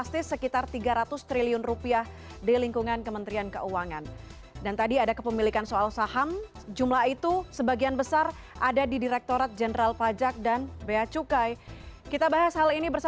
selamat malam mbak lusba